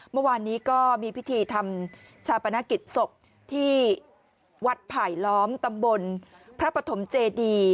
เมื่อวานนี้ก็มีพิธีทำชาปนกิจศพที่วัดไผลล้อมตำบลพระปฐมเจดี